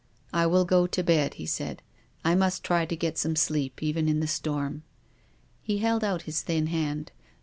" I will go to bed," he said. " I must try to get some sleep even in the storm." He held out his thin hand.